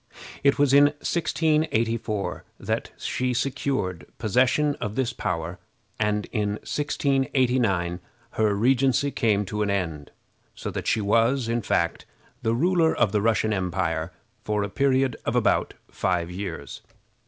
It was in 1684 that she secured possession of this power, and in 1689 her regency came to an end, so that she was, in fact, the ruler of the Russian empire for a period of about five years.